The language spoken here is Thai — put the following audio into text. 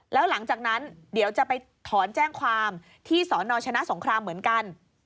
แล้วหลังจากนั้นเดี๋ยวจะไปถอนแจ้งความที่สนชนะสงครามเหมือนกัน